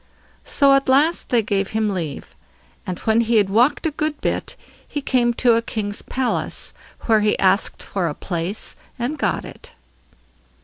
So at last they gave him leave. And when he had walked a good bit, he came to a king's palace, where he asked for a place, and got it.